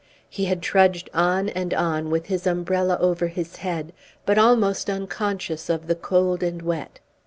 He had trudged on and on with his umbrella over his head, but almost unconscious of the cold and wet.